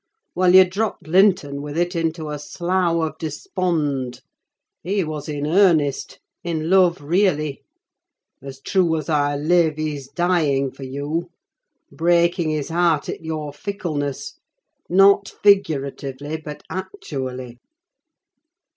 Well, you dropped Linton with it into a Slough of Despond. He was in earnest: in love, really. As true as I live, he's dying for you; breaking his heart at your fickleness: not figuratively, but actually.